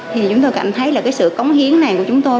thì chúng tôi cảm thấy là cái sự cống hiến này của chúng tôi